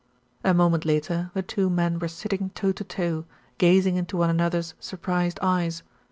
A moment later the two men were sitting toe to toe, gazing into one another's surprised eyes.